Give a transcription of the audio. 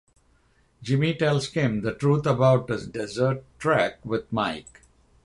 Jimmy tells Kim the truth about his desert trek with Mike.